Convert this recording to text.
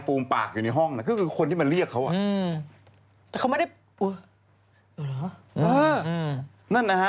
กลัวว่าผมจะต้องไปพูดให้ปากคำกับตำรวจยังไง